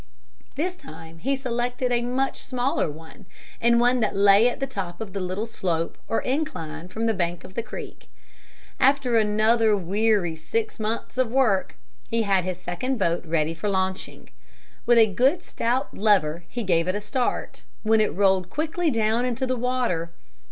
This time he selected a much smaller one, and one that lay at the top of the little slope or incline from the bank of the creek. After another weary six months of work he had his second boat ready for launching. With a good stout lever he gave it a start, when it rolled quickly down into the water.